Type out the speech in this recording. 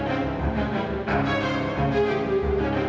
tapi mama akan pergi dari sini